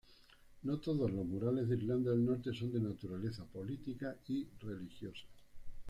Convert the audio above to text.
No todos los murales de Irlanda del Norte son de naturaleza política y religiosa.